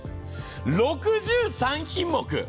６３品目！